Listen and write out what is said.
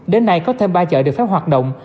đến nay có thêm ba chợ được phép hoạt động